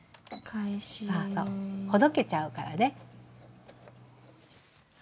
そうそうほどけちゃうからね。